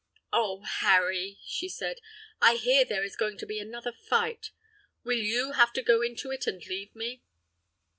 "Oh! Harry," she said, "I hear there is going to be another fight. Will you have to go into it and leave me?"